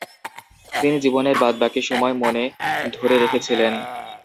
তিনি জীবনের বাদ-বাকী সময় মনে ধরে রেখেছিলেন।